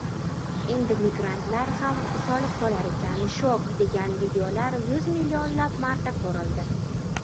“Endi migrantlar ham soliq toʻlar ekan shok!” degan videolar yuz millionlab marta koʻrildi.